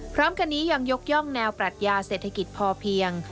พร้อมกันนี้ยังยกย่องแนวปรัชญาเศรษฐกิจพอเพียง